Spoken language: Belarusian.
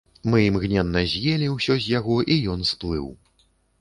Мы імгненна з'елі ўсё з яго, і ён сплыў.